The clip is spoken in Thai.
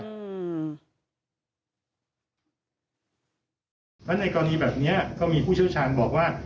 ให้ตัดจริงตรงนี้ไปเลยครับ